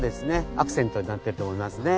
アクセントになってると思いますね。